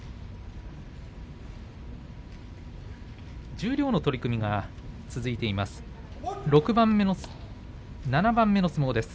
十両の取組が続いています。